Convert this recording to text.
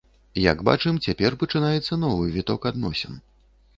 Як бачым, цяпер пачынаецца новы віток адносін.